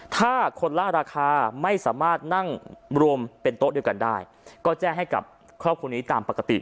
ถ้าคนล่าราคาไม่สามารถนั่งรวมเป็นโต๊ะเดียวกันได้ก็แจ้งให้กับครอบครัวนี้ตามปกติ